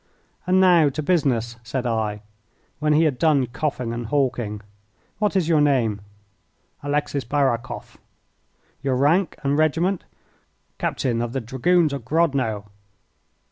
"And now to business," said I, when he had done coughing and hawking. "What is your name?" "Alexis Barakoff." "Your rank and regiment?" "Captain of the Dragoons of Grodno."